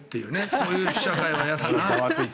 そういう社会は嫌だな。